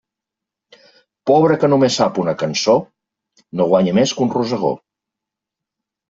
Pobre que només sap una cançó no guanya més que un rosegó.